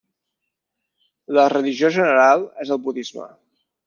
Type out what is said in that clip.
La religió general és el budisme.